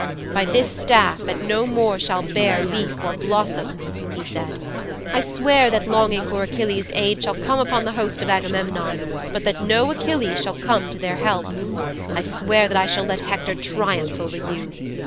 "By this staff that no more shall bear leaf or blossom," he said, "I swear that longing for Achilles' aid shall come upon the host of Agamemnon, but that no Achilles shall come to their help. I swear that I shall let Hector triumph over you."'